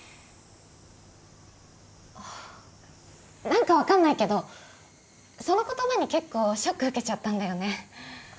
何か分かんないけどその言葉に結構ショック受けちゃったんだよね。